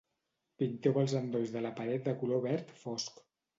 Pinteu els endolls de la pared de color verd fosc.